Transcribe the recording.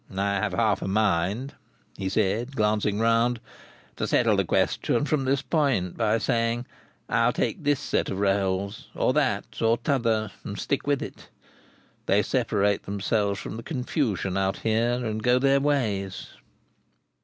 "I have half a mind," he said, glancing around, "to settle the question from this point, by saying, 'I'll take this set of rails, or that, or t'other, and stick to it.' They separate themselves from the confusion, out here, and go their ways."